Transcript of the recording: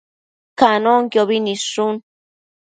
Canonquiobi nidshun